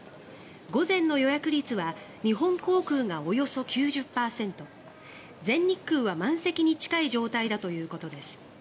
午前の予約率は日本航空がおよそ９０％全日空は満席に近い状態だということです。